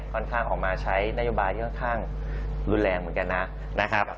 ค่อนข้างออกมาใช้นโยบายที่ค่อนข้างรุนแรงเหมือนกันนะครับ